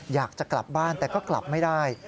อยากจะกลับบ้านแต่ก็กลับไม่ได้